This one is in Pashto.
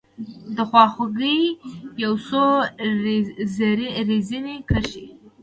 دخوا خوګۍ یو څو رزیني کرښې